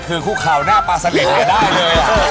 คือคู่ข่าวหน้าประธานิดหน้าได้เลย